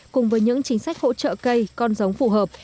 cùng với những chính sách hỗ trợ cây con giống phù hợp